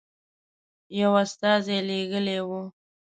یو استازی لېږلی وو.